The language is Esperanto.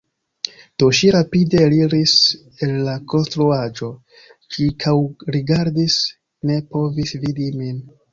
Do ŝi rapide eliris el la konstruaĵo, ĉirkaŭrigardis, ne povis vidi min.